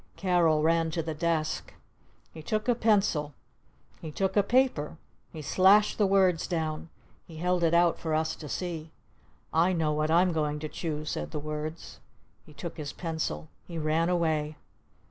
Carol ran to the desk. He took a pencil. He took a paper. He slashed the words down. He held it out for us to see. "I know what I'm going to choose," said the words. He took his pencil. He ran away.